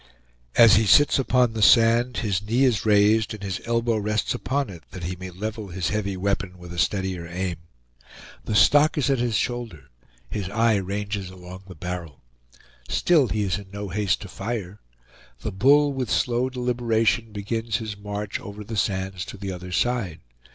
As he sits upon the sand, his knee is raised, and his elbow rests upon it, that he may level his heavy weapon with a steadier aim. The stock is at his shoulder; his eye ranges along the barrel. Still he is in no haste to fire. The bull, with slow deliberation, begins his march over the sands to the other side.